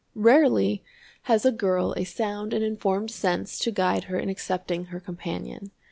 Rarely has a girl a sound and informed sense to guide her in accepting her companion.